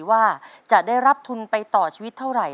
ว่าจะได้รับทุนไปต่อชีวิตเท่าไหร่